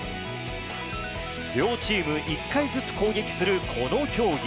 両チーム、１回ずつ攻撃するこの競技。